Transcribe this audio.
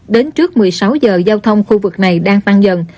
đến trước một mươi sáu giờ giao thông khu vực này đang tăng dần